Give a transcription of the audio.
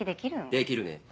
できるね。